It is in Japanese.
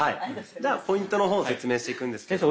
ポイントの方を説明していくんですけども。